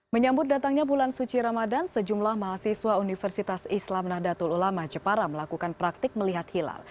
menyambut datangnya bulan suci ramadan sejumlah mahasiswa universitas islam nahdlatul ulama jepara melakukan praktik melihat hilal